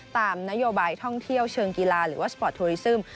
ตามนโยบายท่องเที่ยวเชิงกีฬาหรือว่าสปอร์ตทัวริซึม